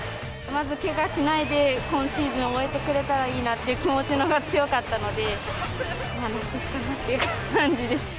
まず、けがしないで今シーズンを終えてくれたらいいなっていう気持ちのが強かったので、納得かなって感じです。